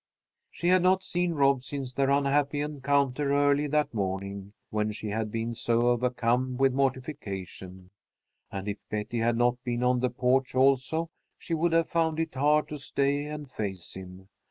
She had not seen Rob since their unhappy encounter early that morning, when she had been so overcome with mortification; and if Betty had not been on the porch also, she would have found it hard to stay and face him.